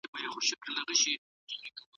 د ککرۍ عینکې یې په خپلو سترګو کې برابرې کړې.